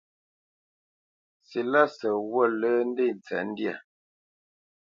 Silásə ghǔt lə́ ndé tsə̌tndyǎ.